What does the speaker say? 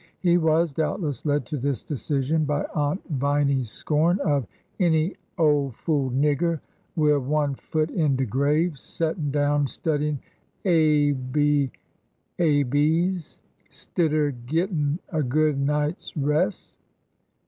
He was, doubtless, led to this decision by Aunt Viny's scorn of " any ole fool nigger, wi'' one foot in de grave, settin' down studyin' a b ahs, stidder gittin' a good night's res' !